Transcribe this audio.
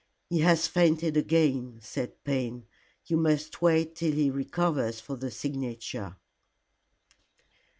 "He has fainted again," said Payne. "You must wait till he recovers for the signature."